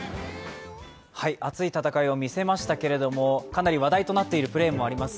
熱い戦いを見せましたけれども、かなり話題となっているプレーもあります。